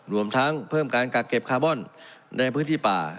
รวมทั้งเพิ่มการกักเก็บคาร์บอนในพื้นที่ป่า